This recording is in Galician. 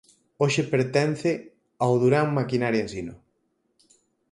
Hoxe pertence ao Durán Maquinaria Ensino.